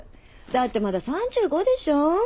だってまだ３５でしょ。